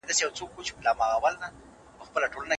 خواړه د بدن سون توکي دي.